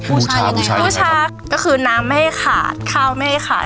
ผู้ชายผู้ชายผู้ชายก็คือน้ำไม่ให้ขาดข้าวไม่ให้ขาด